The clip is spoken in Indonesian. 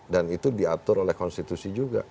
dan itu diatur oleh konstitusi juga